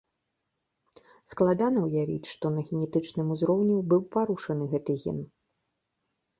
Складна ўявіць, што на генетычным узроўні быў парушаны гэты ген.